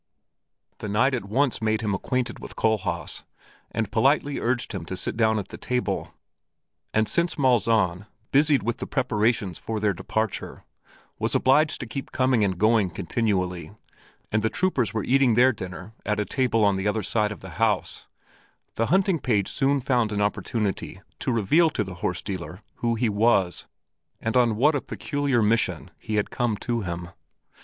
The Knight at once made him acquainted with Kohlhaas and politely urged him to sit down at the table, and since Malzahn, busied with the preparations for their departure, was obliged to keep coming and going continually, and the troopers were eating their dinner at a table on the other side of the house, the hunting page soon found an opportunity to reveal to the horse dealer who he was and on what a peculiar mission he had come to him.